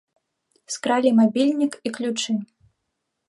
Скралі мабільнік і ключы.